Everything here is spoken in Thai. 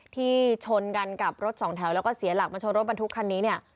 ที่ชนกันกับรถสองแถวแล้วก็เสียหลักมาชนรถบรรทุกคันนี้เนี่ย